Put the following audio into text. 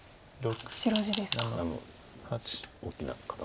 白地ですか。